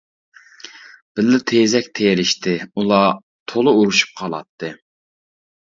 بىللە تېزەك تېرىشتى، ئۇلار تولا ئۇرۇشۇپ قالاتتى.